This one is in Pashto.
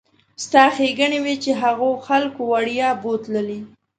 ستا ښېګڼې وي چې هغو خلکو وړیا بوتللې.